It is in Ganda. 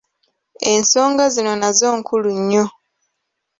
Ensonga zino nazo nkulu nnyo.